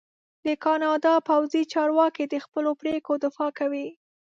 د کاناډا پوځي چارواکي د خپلو پرېکړو دفاع کوي.